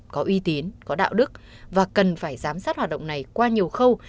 có uy tín có đạo đức và cần phải giám sát hoạt động này qua nhiều khâu